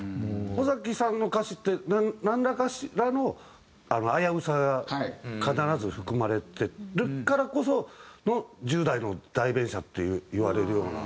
尾崎さんの歌詞ってなんかしらの危うさが必ず含まれてるからこその「１０代の代弁者」っていわれるような。